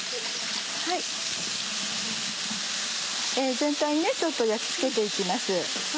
全体にちょっと焼き付けて行きます。